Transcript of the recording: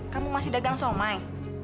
kamu masih dagang somai